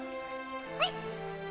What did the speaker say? はい。